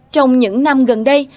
trong những năm gần đây